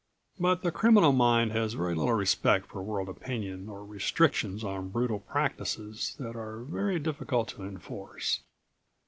But the criminal mind has very little respect for world opinion or restrictions on brutal practices that are very difficult to enforce.